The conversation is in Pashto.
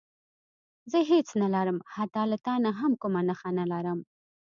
زه هېڅ نه لرم حتی له تا نه هم کومه نښه نه لرم.